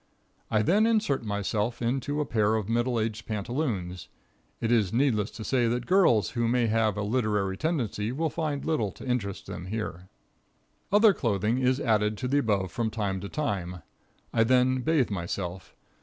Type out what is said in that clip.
I then insert myself into a pair of middle aged pantaloons. It is needless to say that girls who may have a literary tendency will find little to interest them here. Other clothing is added to the above from time to time. I then bathe myself.